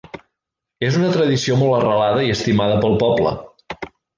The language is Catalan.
És una tradició molt arrelada i estimada pel poble.